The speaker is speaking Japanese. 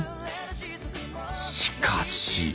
しかし。